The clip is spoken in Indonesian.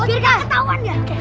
biar kita ketahuan ya